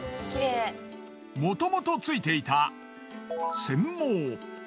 もともとついていた繊毛。